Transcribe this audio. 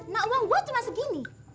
nak uang gua cuma segini